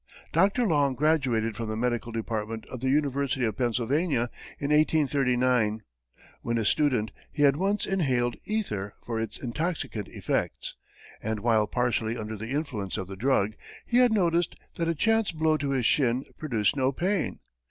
Dr. Long graduated from the medical department of the University of Pennsylvania in 1839. When a student, he had once inhaled ether for its intoxicant effects, and while partially under the influence of the drug, had noticed that a chance blow to his shin produced no pain.